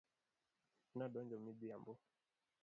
Na donjo midhiambo.